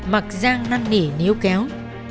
mặc giang năn nỉ níu kéo